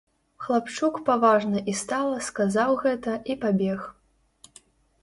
Хлапчук паважна і стала сказаў гэта і пабег.